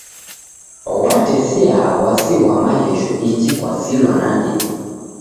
Ghwatesia w'asi ghwa maghesho iji kwasilwa nandighi.